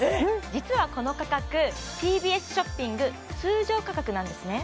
実はこの価格ＴＢＳショッピング通常価格なんですね